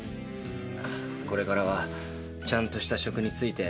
これからはちゃんとした職に就いて。